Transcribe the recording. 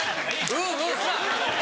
「うんうん」